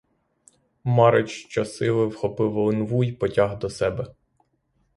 Марич щосили вхопив линву й потяг до себе.